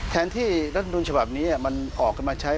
แทนที่รัฐธรรมนุญฉบับนี้มันออกมาใช้